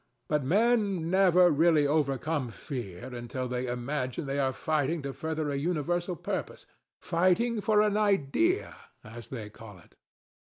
But men never really overcome fear until they imagine they are fighting to further a universal purpose fighting for an idea, as they call it.